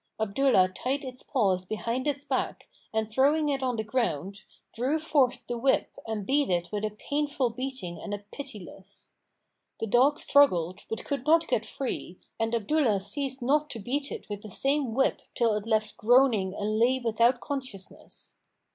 Abdullah tied its paws behind its back and throwing it on the ground, drew forth the whip and beat it with a painful beating and a pitiless. The dog struggled, but could not get free, and Abdullah ceased not to beat it with the same whip till it left groaning and lay without consciousness.